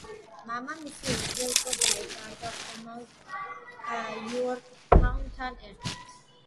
მამამისი უგზო-უკვლოდ დაიკარგა ხომალდ იორკთაუნთან ერთად.